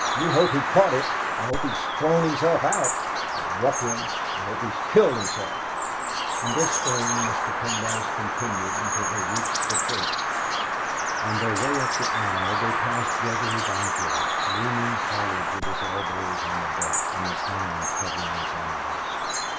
You hope he caught it? I hope he's thrown himself out. The ruffian! I hope he's killed himself." In this strain Mr. Pendyce continued until they reached the church. On their way up the aisle they passed Gregory Vigil leaning forward with his elbows on the desk and his hand covering his eyes....